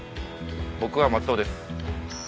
僕は松尾です。